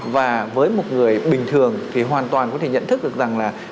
và với một người bình thường thì hoàn toàn có thể nhận thức được rằng là